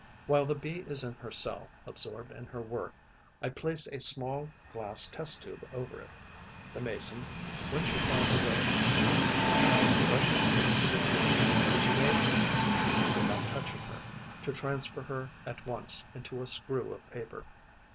While the Bee is in her cell, absorbed in her work, I place a small glass test tube over it. The Mason, when she flies away, rushes into the tube, which enables me, without touching her, to transfer her at once into a screw of paper.